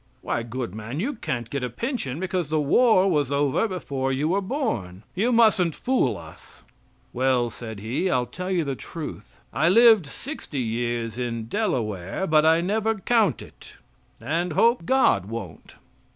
"Why, good man, you can't get a pension, because the war was over before you were born. You mustn't fool us." "Well," said he, "I'll tell you the truth: I lived sixty years in Delaware, but I never count it, and hope God won't."